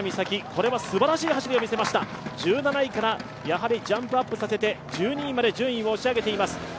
これはすばらしい走りを見せました、１７位からやはりジャンプアップさせて１２位まで順位を押し上げています。